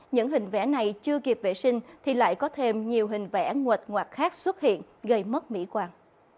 những hình vẽ này chưa kịp vệ sinh thì lại có thêm nhiều hình vẽ nguệt ngoạt khác xuất hiện gây mất mỹ quan